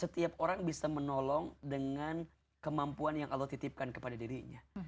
setiap orang bisa menolong dengan kemampuan yang allah titipkan kepada dirinya